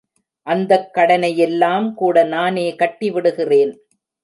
அந்தக் கடனையெல்லாம் கூட நானே கட்டிவிடுகிறேன்.